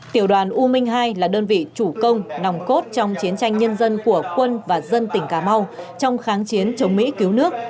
tiểu đoàn u minh hai là đơn vị chủ công nòng cốt trong chiến tranh nhân dân của quân và dân tỉnh cà mau trong kháng chiến chống mỹ cứu nước